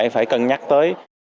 phải cân nhắc tới